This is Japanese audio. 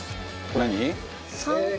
何？